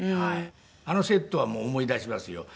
あのセットは思い出しますよ。